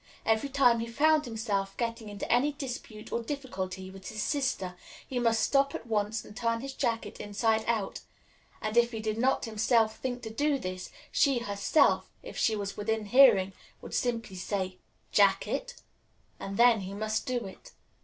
Every time he found himself getting into any dispute or difficulty with his sister, he must stop at once and turn his jacket inside out; and if he did not himself think to do this, she herself, if she was within hearing, would simply say, "Jacket!" and then he must do it.